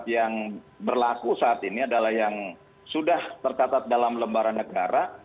yang berlaku saat ini adalah yang sudah tercatat dalam lembaran negara